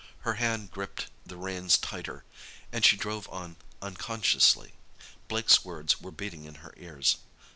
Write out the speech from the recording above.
Her hand gripped the reins tighter, and she drove on unconsciously. Blake's words were beating in her ears.